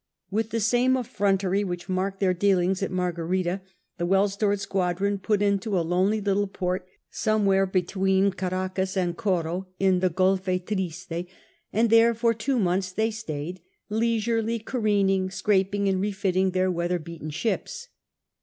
With the same effrontery which marked their dealings at Margarita, the well stored squadron put into a lonely little port somewhere between Caracas and Coro in the Golfe Triste, and there for two months they stayed, leisurely careening, scraping, and refitting their weather beaten ships.